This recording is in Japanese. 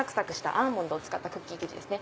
アーモンドを使ったクッキー生地ですね。